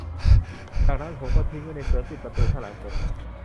จากนั้นผมก็ทิ้งไว้ในสวนปิดประตูข้างหลังผม